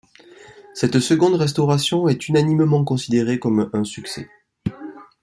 Cette seconde restauration est unanimement considérée comme un succès.